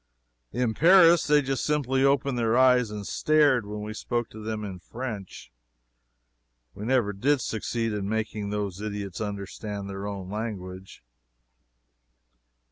In Paris they just simply opened their eyes and stared when we spoke to them in French! We never did succeed in making those idiots understand their own language.